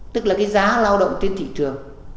tức là cái giá lao động trên thị trường